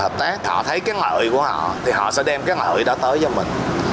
hợp tác họ thấy cái lợi của họ thì họ sẽ đem cái lợi ích đó tới cho mình